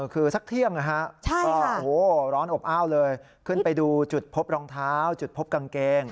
คือสักเที่ยงก็ร้อนอบอ้าวเลยขึ้นไปดูจุดพบรองเท้าจุดพบกางเกง